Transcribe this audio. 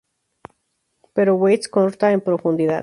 Pero Weitz corta en profundidad.